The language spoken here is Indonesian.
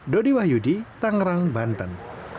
dodi wahyudi tangerang banten